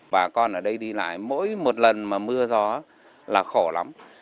bà con ở đây đi lại mỗi một lần mà mưa gió là khổ lắm